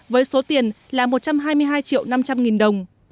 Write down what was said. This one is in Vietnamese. với số tiền là một trăm hai mươi hai triệu năm trăm linh nghìn đồng